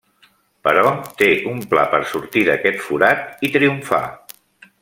Però té un pla per sortir d'aquest forat i triomfar.